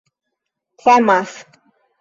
samas